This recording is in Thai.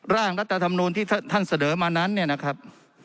ร่างรัฐธรรมนูลที่ท่านเสนอมานั้นเนี่ยนะครับ